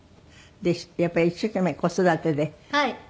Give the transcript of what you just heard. でやっぱり一生懸命子育てで。